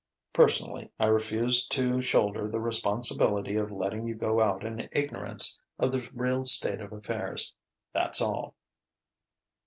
Personally I refused to shoulder the responsibility of letting you go out in ignorance of the real state of affairs. That's all."